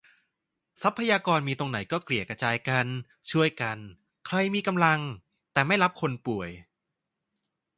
ทรัพยากรมีตรงไหนก็เกลี่ยกระจายกัน ช่วยกัน ใครมีกำลังแต่ไม่รับคนป่วย